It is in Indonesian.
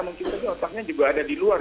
mungkin saja otaknya juga ada di luar